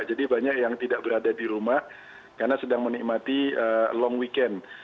jadi banyak yang tidak berada di rumah karena sedang menikmati long weekend